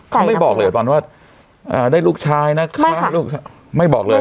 เขาไม่บอกเลยตอนนั้นว่าอ่าได้ลูกชายนะคะไม่ค่ะไม่บอกเลย